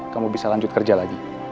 kamu bisa lanjut kerja lagi